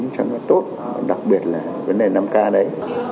cho nó tốt đặc biệt là vấn đề năm k đấy